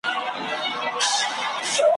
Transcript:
تل یې غوښي وي په خولو کي د لېوانو ,